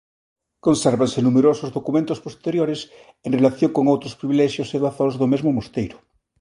Consérvanse numerosos documentos posteriores en relación con outros privilexios e doazóns do mesmo mosteiro.